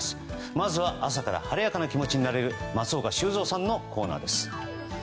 まずは朝から晴れやかな気持ちになれる松岡修造さんのコーナーです。